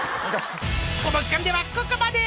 ［この時間ではここまで。